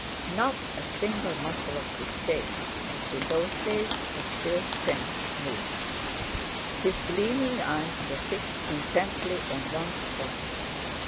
Not a single muscle of his face—which in those days was still thin—moved. His gleaming eyes were fixed intently on one spot.